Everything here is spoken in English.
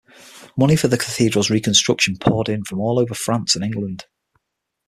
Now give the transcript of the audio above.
Money for the cathedral's reconstruction poured in from all over France, and England.